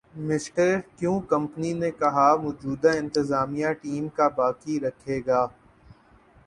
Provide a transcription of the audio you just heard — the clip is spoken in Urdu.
مِسٹر کیون کمپنی نے کہا موجودہ انتظامیہ ٹیم کا باقی رکھے گا